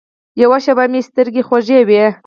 یوه شېبه مې سترګې خوږې وې.